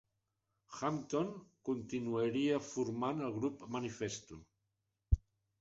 Hampton continuaria formant el grup Manifesto.